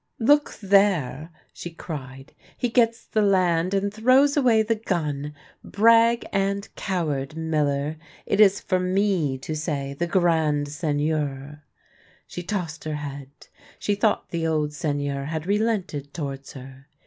" Look there !" she cried :" he gets the land, and throws away the gun ! Brag and coward, miller ! It is for me to say ' the grand Seigneur !'" She tossed her head : she thought the old Seigneur had relented towards her.